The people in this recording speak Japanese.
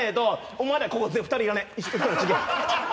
お前ら、ここに２人いらねえ。